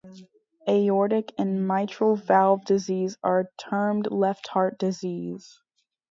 Aortic and mitral valve disease are termed left heart diseases.